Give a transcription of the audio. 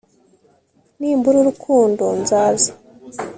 nimbura urukundo, nzaza